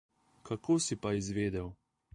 Kako si pa izvedel?